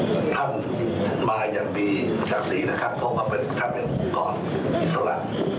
ท่านมาอย่างมีศักดิ์ศรีนะครับเพราะว่าเป็นท่านเป็นองค์กรอิสระ